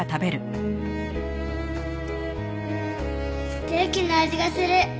ステーキの味がする。